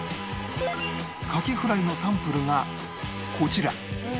牡蠣フライのサンプルがこちら